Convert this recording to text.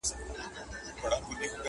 ږغ به وچ سي په کوګل کي د زاغانو!.